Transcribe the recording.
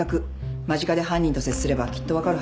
間近で犯人と接すればきっと分かるはずよ。